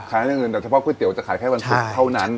ขายอาหารอยู่ที่บ้านแต่เฉพาะก๋วยเตี๋ยวจะขายแค่วันศุกร์เท่านั้น